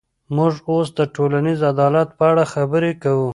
موږ اوس د ټولنیز عدالت په اړه خبرې کوو.